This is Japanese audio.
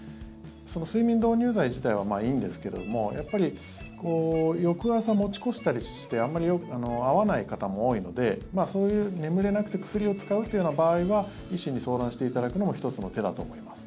睡眠導入剤自体はいいんですけれどもやっぱり、翌朝持ち越したりして合わない方も多いので眠れなくて薬を使うというような場合は医師に相談していただくのも１つの手だと思います。